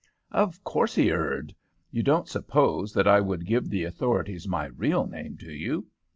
"Of course he erred. You don't suppose that I would give the authorities my real name, do you?